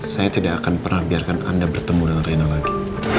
saya tidak akan pernah biarkan anda bertemu dengan reno lagi